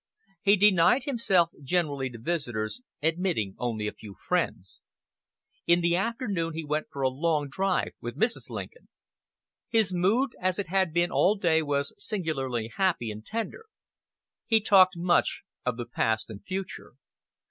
He denied himself generally to visitors, admitting only a few friends. In the afternoon he went for a long drive with Mrs. Lincoln. His mood, as it had been all day, was singularly happy and tender. He talked much of the past and future.